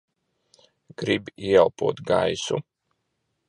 Gribi ieelpot gaisu?